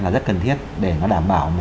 rất cần thiết để đảm bảo